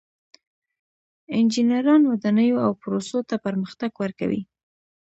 انجینران ودانیو او پروسو ته پرمختګ ورکوي.